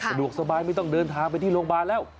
สะดวกสบายไม่ต้องเดินทางไปที่โรงพยาบาลแล้ว